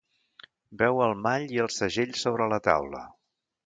Veu el mall i el segell sobre la taula.